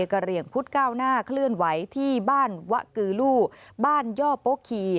กระเหรียงพุทธ๙หน้าเคลื่อนไหวที่บ้านวะกือลูบ้านย่อโป๊ะคี